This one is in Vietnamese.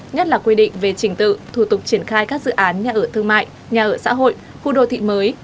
nhất là quy định về trình tự thủ tục triển khai các dự án nhà ở thương mại nhà ở xã hội khu đô thị mới